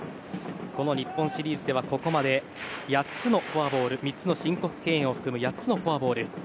この日本シリーズではここまで３つの申告敬遠を含む８つのフォアボール。